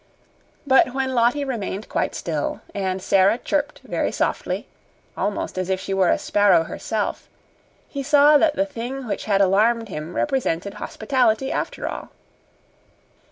But when Lottie remained quite still and Sara chirped very softly almost as if she were a sparrow herself he saw that the thing which had alarmed him represented hospitality, after all.